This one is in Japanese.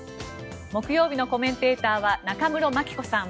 木曜日のコメンテーターは中室牧子さん